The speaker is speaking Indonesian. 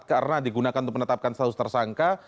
karena digunakan untuk menetapkan status tersangka